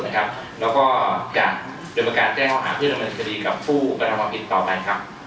แล้วก็จะโดยการแก้งอาหารเพื่อดำเนินคดีกับผู้กระทำวัคพิษต่อไป